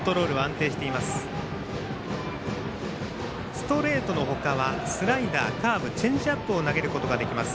ストレートの他はスライダー、カーブチェンジアップを投げることができます。